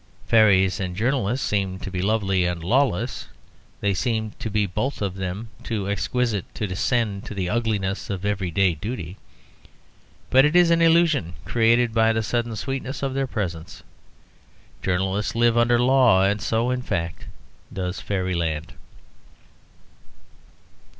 Fairies and journalists seem to be lovely and lawless; they seem to be both of them too exquisite to descend to the ugliness of everyday duty. But it is an illusion created by the sudden sweetness of their presence. Journalists live under law; and so in fact does fairyland.